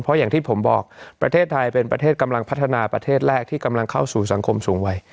เพราะอย่างที่ผมบอกประเทศไทยเป็นประเทศกำลังพัฒนาประเทศแรกที่กำลังเข้าสู่สังคมสูงวัย